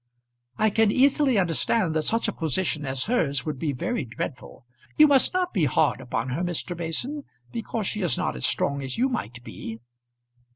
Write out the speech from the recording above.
"I can easily understand that such a position as hers must be very dreadful. You must not be hard upon her, Mr. Mason, because she is not as strong as you might be."